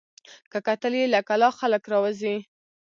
که کتل یې له کلا خلک راوزي